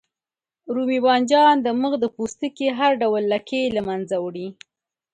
رومي بانجان د مخ د پوستکي هر ډول لکې له منځه وړي.